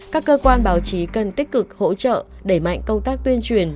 các cơ quan báo chí cần tích cực hỗ trợ đẩy mạnh công tác tuyên truyền